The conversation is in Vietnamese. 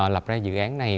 lập ra dự án này